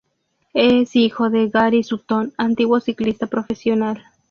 Es hijo de Gary Sutton, antiguo ciclista profesional.